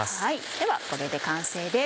ではこれで完成です。